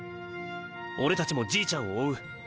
俺たちもじいちゃんを追う。